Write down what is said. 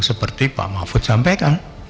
seperti pak mahfud sampaikan